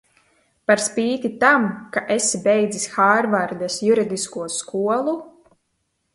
Par spīti tam, ka esi beidzis Hārvardas juridisko skolu?